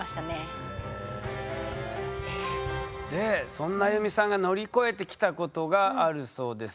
そんな安祐美さんが乗り越えてきたことがあるそうです。